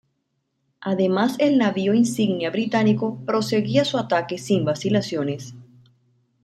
Además el navío insignia británico proseguía su ataque sin vacilaciones.